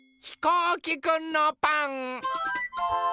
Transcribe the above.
ひこうきくんのパン。